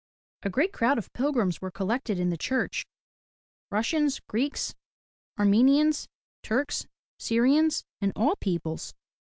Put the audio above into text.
A great crowd of pilgrims were collected in the church, Russians, Greeks, Armen ians, Turks, Syrians, and all peoples.